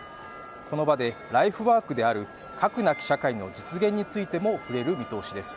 この場でライフワークである核なき社会の実現についても触れる見通しです。